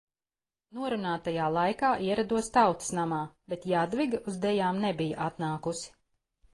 Norunātajā laikā ierados Tautas namā, bet Jadviga uz dejām nebija atnākusi.